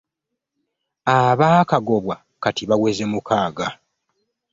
Abaakagobwa kati baweze mukaaga.